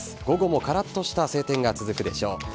午後もカラッとした晴天が続くでしょう。